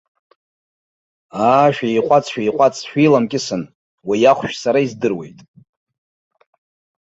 Аа, шәиҟәаҵ, шәиҟәаҵ, шәиламкьысын, уи ахәшә сара издыруеит!